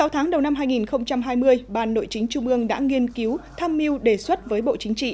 sáu tháng đầu năm hai nghìn hai mươi ban nội chính trung ương đã nghiên cứu tham mưu đề xuất với bộ chính trị